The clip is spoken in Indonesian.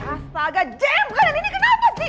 asal gak jengkak kalian ini kenapa sih